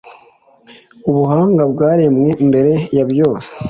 Ubuhanga bwaremwe mbere ya byose,